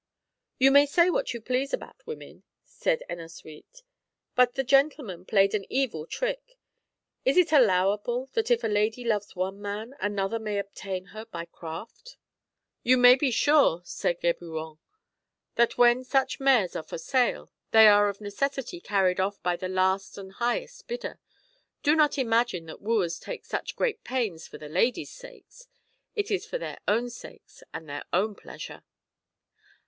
"You may say what you please about women," said Ennasuite, "but the gentleman played an evil trick. Is it allowable that if a lady loves one man, another may obtain her by craft ?" SECOND T>AY: TALE XIV. 153 "You may be sure," said Geburon, "that when such mares are for sale they are of necessity carried off by the last and highest bidder. Do not imagine that wooers take such great pains for the ladies' sakes. It is for their own sakes and their own pleasure."